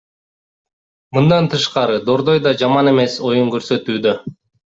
Мындан тышкары, Дордой да жаман эмес оюн көрсөтүүдө.